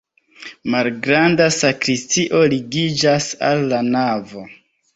Malgranda sakristio ligiĝas al la navo.